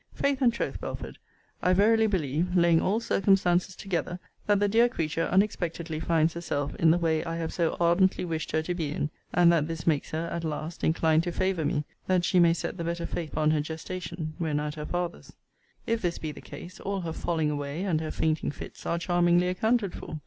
Faith and troth, Belford, I verily believe, laying all circumstances together, that the dear creature unexpectedly finds herself in the way I have so ardently wished her to be in; and that this makes her, at last, incline to favour me, that she may set the better face upon her gestation, when at her father's. If this be the case, all her falling away, and her fainting fits, are charmingly accounted for.